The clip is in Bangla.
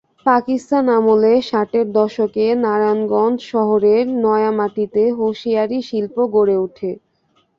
পাকিস্তান আমলে ষাটের দশকে নারায়ণগঞ্জ শহরের নয়ামাটিতে হোসিয়ারি শিল্প গড়ে ওঠে।